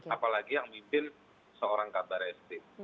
apalagi yang mimpin seorang kabar eskrim